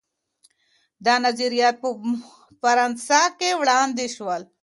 دا نظریات په فرانسه کي وړاندې سول.